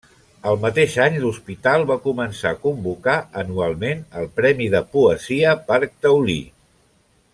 El mateix any l'Hospital va començar a convocar anualment el Premi de Poesia Parc Taulí.